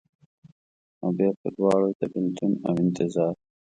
اوبیا په دواړو، د بیلتون اوانتظار